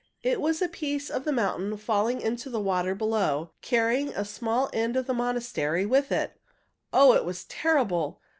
It was a piece of the mountain falling into the water below, carrying a small end of the monastery with it. Oh, it was terrible!